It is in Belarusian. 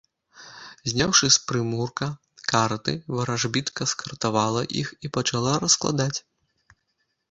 Зняўшы з прымурка карты, варажбітка скартавала іх і пачала раскладаць.